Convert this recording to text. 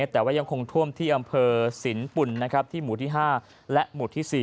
แต่ยังคงท่วมถึงที่อำเภอสินปุ่นที่หมู่๕และหมู่๔